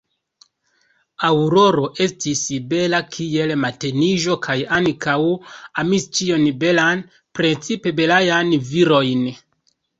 Aŭroro estis bela kiel mateniĝo kaj ankaŭ amis ĉion belan, precipe belajn virojn.